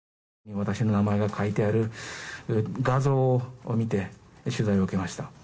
私の名前が書いてある画像を見て、取材を受けました。